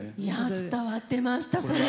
伝わってました！